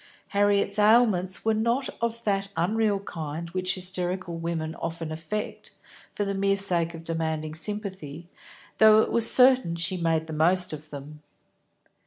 Harriet's ailments were not of that unreal kind which hysterical women often affect, for the mere sake of demanding sympathy, though it was certain she made the most of them.